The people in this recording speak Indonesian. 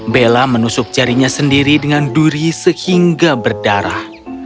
bella menusuk jarinya sendiri dengan duri sehingga berdarah